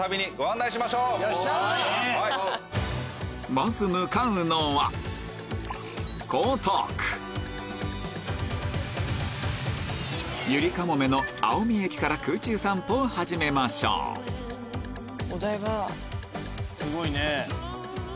まず向かうのはゆりかもめの青海駅から空中散歩を始めましょうすごいね。